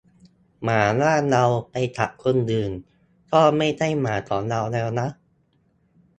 "หมาบ้านเรา ไปกัดคนอื่น ก็ไม่ใช่หมาของเราแล้วนะ"